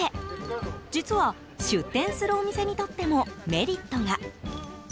実は、出店するお店にとってもメリットが。